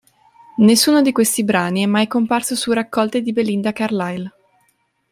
Nessuno di questi brani è mai comparso su raccolte di Belinda Carlisle.